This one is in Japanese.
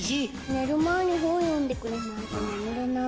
寝る前に本読んでくれないと眠れない。